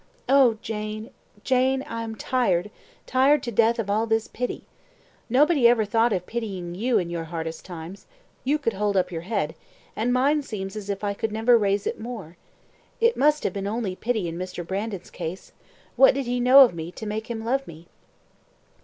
Oh! Jane, Jane, I am tired, tired to death of all this pity. Nobody ever thought of pitying you in your hardest times; you could hold up your head, and mine seems as if I never could raise it more. It must have been only pity in Mr. Brandon's case what did he know of me to make him love me?"